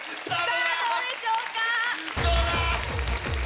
さぁどうでしょうか？